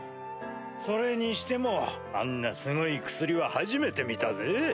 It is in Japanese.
それにしてもあんなすごい薬は初めて見たぜ。